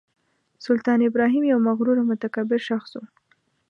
سلطان ابراهیم یو مغرور او متکبر شخص و.